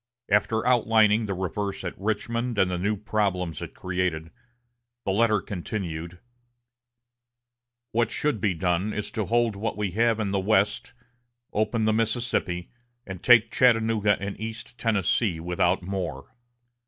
After outlining the reverse at Richmond and the new problems it created, the letter continued: "What should be done is to hold what we have in the West, open the Mississippi, and take Chattanooga and East Tennessee without more.